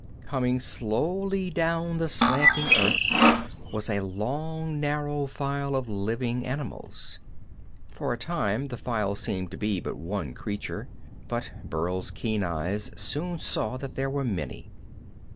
Coming slowly down the slanting earth was a long, narrow file of living animals. For a time the file seemed to be but one creature, but Burl's keen eyes soon saw that there were many.